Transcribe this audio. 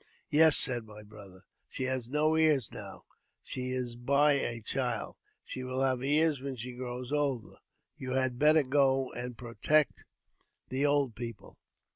" Yes," said my brother, " she has no ears now ; she is bx a child ; she will have ears when she grows older ; you ha better go and protect the old people."